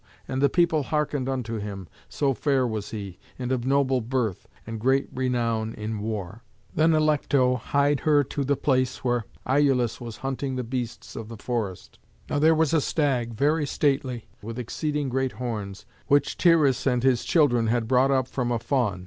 And the people hearkened unto him, so fair was he, and of noble birth, and great renown in war. Then Alecto hied her to the place where Iülus was hunting the beasts of the forest. Now there was a stag, very stately, with exceeding great horns, which Tyrrheus and his children had brought up from a fawn.